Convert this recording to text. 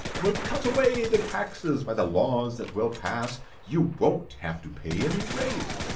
We'll cut away the taxes, by the laws that we'll pass! You won't have to pay any rate!